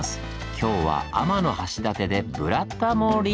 今日は天橋立で「ブラタモリ」！